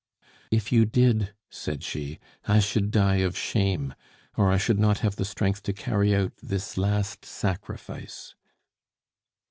"If you did," said she, "I should die of shame, or I should not have the strength to carry out this last sacrifice."